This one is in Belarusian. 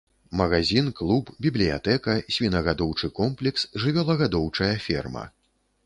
Магазін, клуб, бібліятэка, свінагадоўчы комплекс, жывёлагадоўчая ферма.